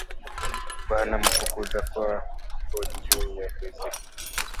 Bana mufukuza kwabo juya bwizi